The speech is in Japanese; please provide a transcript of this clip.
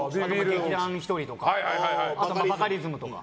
劇団ひとりとかバカリズムとか。